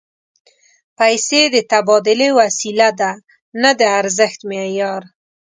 پیسې د تبادلې وسیله ده، نه د ارزښت معیار